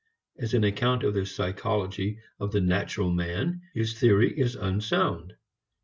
As an account of the psychology of the natural man his theory is unsound.